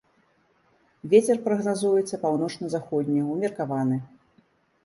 Вецер прагназуецца паўночна-заходні ўмеркаваны.